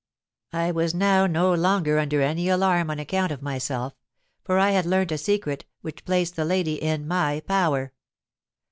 I was now no longer under any alarm on account of myself—for I had learnt a secret which placed the lady in my power.